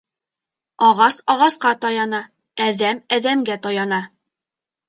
Ағас ағасҡа таяна, әҙәм әҙәмгә таяна.